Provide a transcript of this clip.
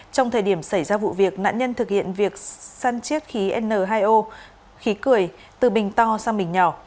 trong thời điểm xảy ra vụ việc nạn nhân thực hiện việc săn chiếc khí n hai o khí cười từ bình to sang bình nhỏ